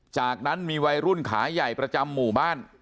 จากนั้นมีวัยรุ่นขาใหญ่ประจำหมู่บ้าน